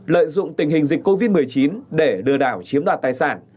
năm lợi dụng tình hình dịch covid một mươi chín để đưa đảo chiếm đoạt tài sản